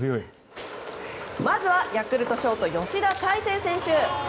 まずはヤクルト、ショート吉田大成選手。